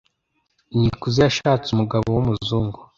Nikuze yashatse umugabo wumuzungu